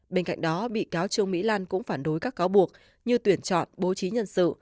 bên cạnh đó bị cáo trương mỹ lan cũng phản đối các cáo buộc như tuyển chọn bố trí nhân sự